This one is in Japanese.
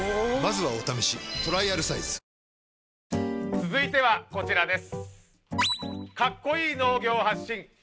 続いてはこちらです。